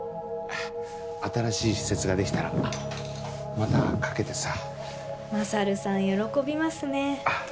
新しい施設ができたらまたかけてさ勝さん喜びますねあっ